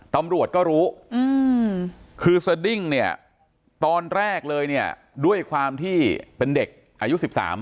ตำรวจก็รู้คือสดิ้งเนี่ยตอนแรกเลยเนี่ยด้วยความที่เป็นเด็กอายุ๑๓